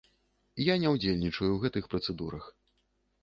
Я не ўдзельнічаю ў гэтых працэдурах.